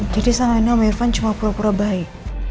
jadi sama ini om irfan cuma pura pura baik